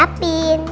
ini aku udah siapin